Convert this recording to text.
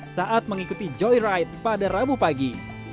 saat mengikuti joyride pada rabu pagi